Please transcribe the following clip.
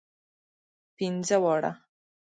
پنځه واړه.